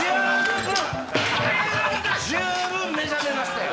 十分目覚めましたよ。